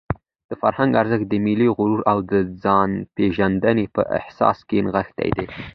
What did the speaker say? د فرهنګ ارزښت د ملي غرور او د ځانپېژندنې په احساس کې نغښتی دی.